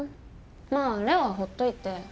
まあ礼央はほっといて。